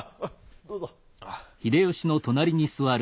どうぞ。